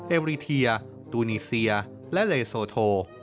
เอวีเทียตูนีเซียและเลโซโท